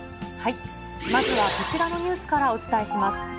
まずはこちらのニュースからお伝えします。